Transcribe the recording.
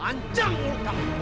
lancam mulut kamu